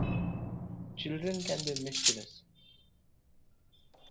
Children can be mischievous.